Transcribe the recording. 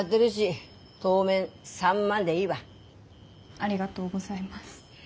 ありがとうございます。